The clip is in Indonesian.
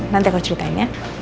nanti aku ceritain ya